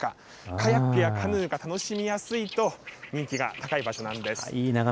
カヤックやカヌーが楽しみやすいと、人気が高い場所なんです。